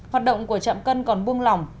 hoạt động của chạm cân còn buông lỏng